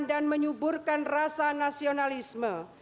dan menyuburkan rasa nasionalisme